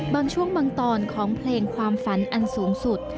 บางช่วงบางตอนของเพลงความฝันอันสูงสุด